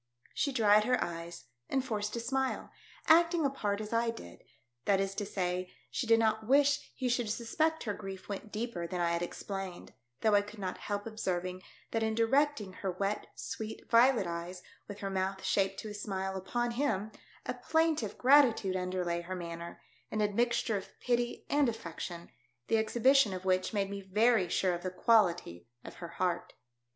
She dried her eyes and forced a smile, 170 THE DEATH SHIP. acting a part as I did ; that is to say, she did not wish he should suspect her grief went deeper than I had explained ; though I could not help observing that in directing her wet, sweet, violet eyes, with her mouth shaped to a smile, upon him, a plaintive gratitude underlay her manner, an admixture, of pity and affection, the exhibition of which made me very sure of the quality of her heart.